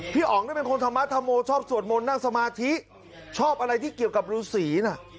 พี่อ๋องได้เป็นคนธรรมดมชอบสวดมนต์นั่งสมาธิชอบอะไรที่เกี่ยวกับฤษี